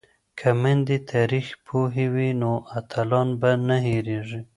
که میندې تاریخ پوهې وي نو اتلان به نه هیریږي.